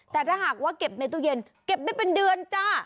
แต่ถ้าหากว่าเก็บในตู้เย็นเก็บได้เป็นเดือนจ้า